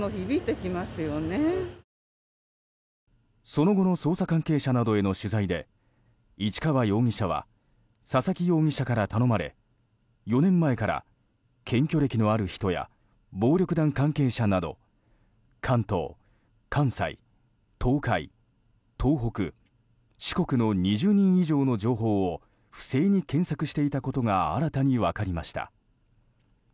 その後の捜査関係者などへの取材で市川容疑者は佐々木容疑者から頼まれ４年前から検挙歴のある人や暴力団関係者など関東、関西、東海、東北、四国の２０人以上の情報を不正に検索していたことが新たに分かりました。